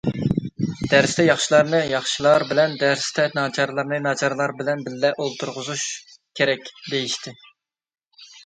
دەرستە ياخشىلارنى ياخشىلار بىلەن، دەرستە ناچارلارنى ناچارلار بىلەن بىللە ئولتۇرغۇزۇش كېرەك، دېيىشتى.